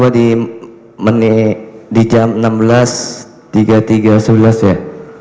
ini menik di jam enam belas tiga puluh tiga sebelas ya